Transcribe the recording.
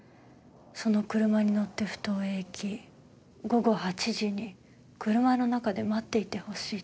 「その車に乗って埠頭へ行き午後８時に車の中で待っていてほしい」と。